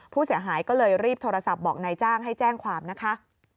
ผู้เสียหายก็เลยรีบโทรศัพท์บอกนายจ้างให้แจ้งความนะคะ